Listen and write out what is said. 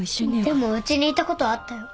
でもうちにいたことあったよ。